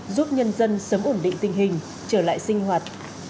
giúp nhân dân sớm ổn định tình hình trở lại sinh hoạt